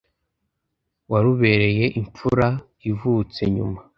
warubereye imfura ivutse nyuma